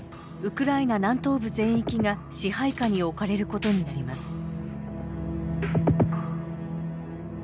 ウクライナ南東部全域が支配下に置かれることになります。